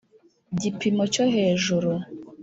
gipimo cyo hejuru